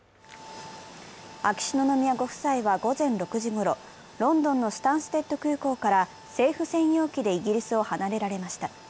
秋篠宮ご夫妻は午前６時ごろロンドンのスタンステッド空港から政府専用機でイギリスを離れられました。